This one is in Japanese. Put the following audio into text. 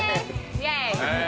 イエーイ。